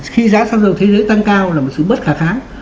khi giá xăng dầu thế giới tăng cao là một sự bất khả kháng